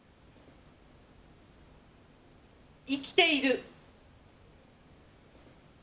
生きている。